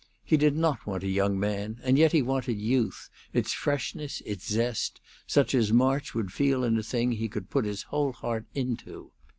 He did not want a young man, and yet he wanted youth its freshness, its zest such as March would feel in a thing he could put his whole heart into.